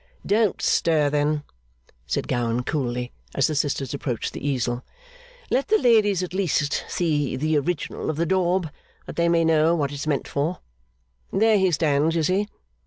'Don't stir, then,' said Gowan coolly, as the sisters approached the easel. 'Let the ladies at least see the original of the daub, that they may know what it's meant for. There he stands, you see.